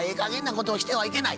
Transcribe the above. ことをしてはいけない。